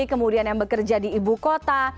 kemudian yang bekerja di ibu kota